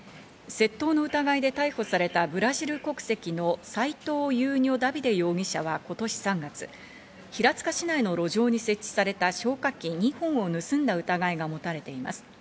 窃盗の疑いで逮捕されたブラジル国籍のサイトウ・ユーニヨ・ダビデ容疑者は今年３月、平塚市内の路上に設置された消火器２本を盗んだ疑いが持たれています。